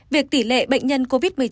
việc tỷ lệ bệnh nhân covid một mươi chín